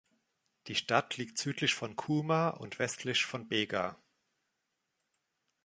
Die Stadt liegt südlich von Cooma und westlich von Bega.